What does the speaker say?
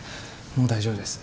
もう大丈夫です。